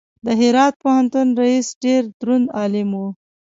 د هرات پوهنتون رئیس ډېر دروند عالم و.